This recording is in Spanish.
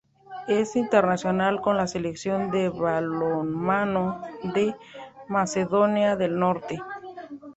Es internacional con la Selección de balonmano de Macedonia del Norte.